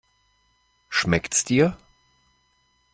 Schmeckt's dir?